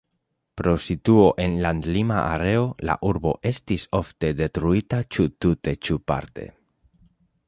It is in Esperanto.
Pro situo en landlima areo la urbo estis ofte detruita ĉu tute ĉu parte.